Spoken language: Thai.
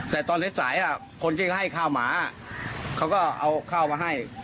แต่ตอนสายคนที่เขาให้ข้าวหมาเขาก็เอาข้าวมาให้